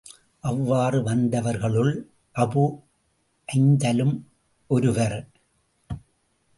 அவ்வாறு வந்தவர்களுள் அபு ஜந்தலும் ஒருவர்.